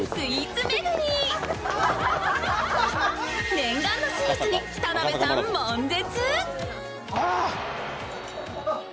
念願のスイーツに田辺さん、もん絶。